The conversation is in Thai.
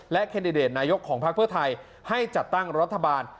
แคนดิเดตนายกของพักเพื่อไทยให้จัดตั้งรัฐบาล